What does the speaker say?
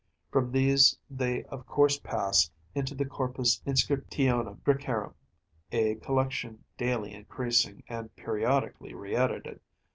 From these they of course pass into the Corpus Inscriptionum Græcarum, a collection daily increasing, and periodically reedited.